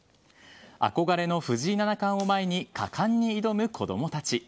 憧れの藤井七冠を前に果敢に挑む子供たち。